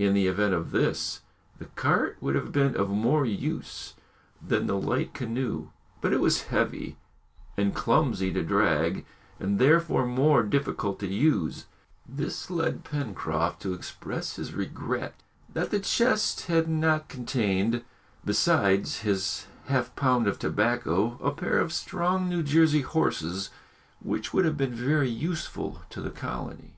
In the event of this, the cart would have been of more use than the light canoe, but it was heavy and clumsy to drag, and therefore more difficult to use; this led Pencroft to express his regret that the chest had not contained, besides "his half pound of tobacco," a pair of strong New Jersey horses, which would have been very useful to the colony!